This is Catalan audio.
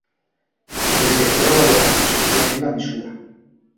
El sector ha valorat positivament la mesura.